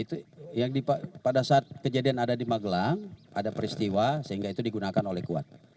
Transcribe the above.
itu pada saat kejadian ada di magelang ada peristiwa sehingga itu digunakan oleh kuat